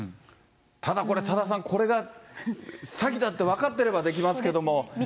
ただ、これ多田さん、これが詐欺だって分かってればできますけれども。